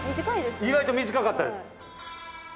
意外と短かったです。